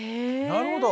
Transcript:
なるほど。